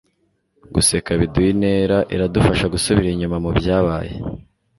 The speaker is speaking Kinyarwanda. guseka biduha intera. iradufasha gusubira inyuma mubyabaye